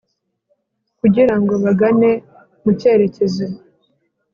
kugira ngo bagane mu cyerekezo